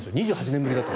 ２８年ぶり。